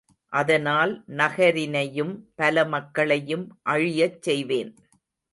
அதனால் நகரினையும் பல மக்களையும் அழியச் செய்வேன்.